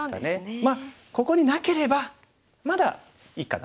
まあここになければまだいいかな。